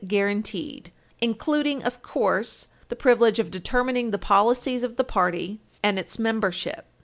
656 guaranteed, including, of course, the privilege of determining the policies of the party and its membership.